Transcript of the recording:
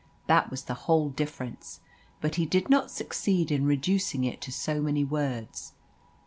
That was the whole difference; but he did not succeed in reducing it to so many words.